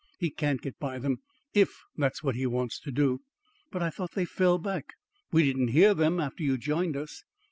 He can't get by them IF that's what he wants to do." "But I thought they fell back. We didn't hear them after you joined us."